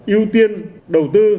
yêu tiên đầu tư